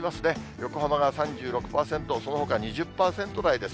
横浜が３６％、そのほか２０％台です。